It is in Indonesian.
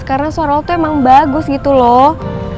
karena suara lo tuh emang bagus gitu loh